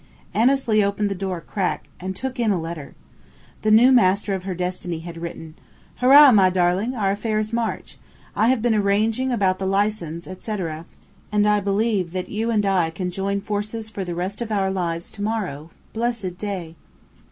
Annesley opened the door a crack, and took in a letter. The new master of her destiny had written: Hurrah, my darling, our affairs march! I have been arranging about the licence, et cetera, and I believe that you and I can join forces for the rest of our lives to morrow blessed day!